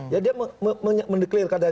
ya dia mendeklarasikan